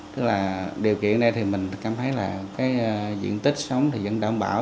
tức là điều kiện này thì mình cảm thấy là cái diện tích sống thì vẫn đảm bảo